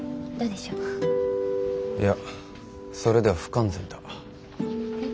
いやそれでは不完全だ。